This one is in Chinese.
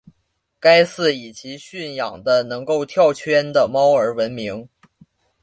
该寺以其训养的能够跳圈的猫而闻名。